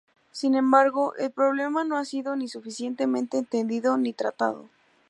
Sin embargo, el problema no ha sido ni suficientemente entendido ni tratado.